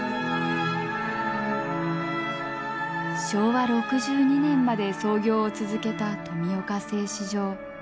昭和６２年まで操業を続けた富岡製糸場。